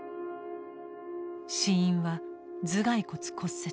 死因は「頭蓋骨骨折」。